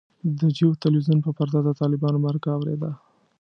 د جیو تلویزیون پر پرده د طالبانو مرکه اورېده.